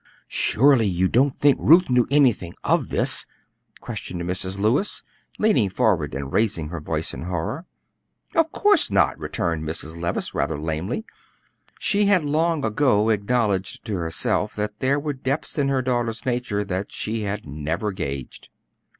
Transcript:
"Surely you don't think Ruth knew anything of this?" questioned Mrs. Lewis, leaning forward and raising her voice in horror. "Of course not," returned Mrs. Levice, rather lamely. She had long ago acknowledged to herself that there were depths in her daughter's nature that she had never gauged.